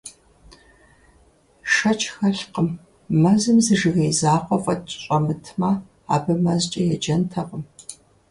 Шэч хэлъкъым: мэзым зы жыгей закъуэ фӀэкӀ щӀэмытмэ, абы мэзкӀэ еджэнтэкъым.